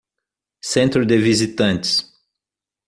Centro de visitantes